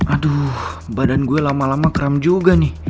aduh badan gue lama lama kram juga nih